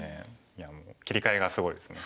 いやもう切り替えがすごいですね。